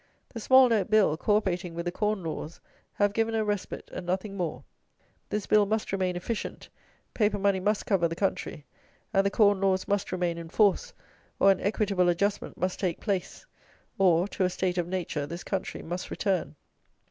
The Small Note Bill, co operating with the Corn Laws, have given a respite, and nothing more. This Bill must remain efficient, paper money must cover the country, and the corn laws must remain in force; or an "equitable adjustment" must take place; or, to a state of nature this country must return.